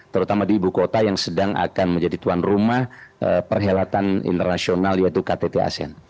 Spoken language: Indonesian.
terutama di ibu kota yang sedang akan menjadi tuan rumah perhelatan internasional yaitu ktt asean